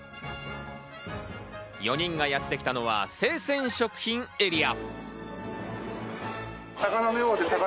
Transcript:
４人がやってきたのは生鮮食品エリア。